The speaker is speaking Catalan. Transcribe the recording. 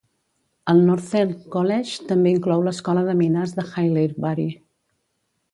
El Northern College també inclou L'Escola de Mines de Haileybury.